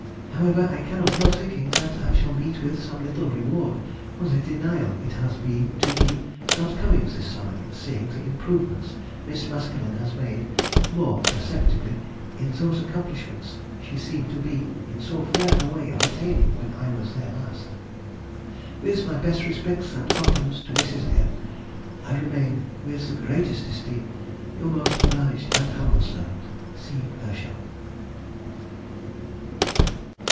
However, I cannot help thinking that I shall meet with some little reward for the denial it has been to me not coming this summer in seeing the improvements Miss Maskelyne has made (more perceptibly) in those accomplishments she seemed to be in so fair a way of attaining when I was there last. With my best respects and compliments to Mrs. M., I remain, with the greatest esteem, Your most obliged and humble servant, C. HERSCHEL.